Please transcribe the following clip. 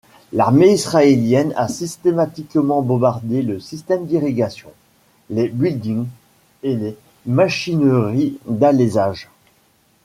L'armée israélienne a systématiquement bombardé le système d'irrigation, les buildings et les machineries d'alésage.